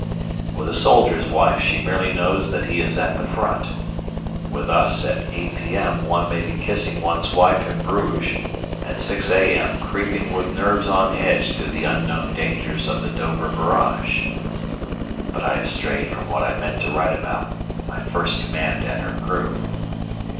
With a soldier's wife, she merely knows that he is at the front; with us, at 8 p.m. one may be kissing one's wife in Bruges, and at 6 a.m. creeping with nerves on edge through the unknown dangers of the Dover Barrage but I have strayed from what I meant to write about my first command and her crew.